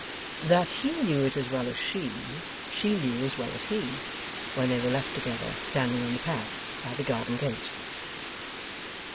That he knew it as well as she, she knew as well as he, when they were left together standing on the path by the garden gate.